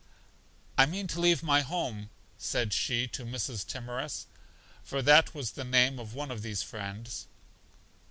I mean to leave my home, said she to Mrs. Timorous for that was the name of one of these friends.